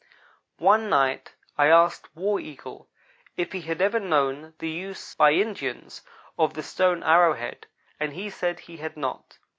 One night I asked War Eagle if he had ever known the use, by Indians, of the stone arrow head, and he said he had not.